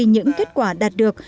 những kết quả đạt được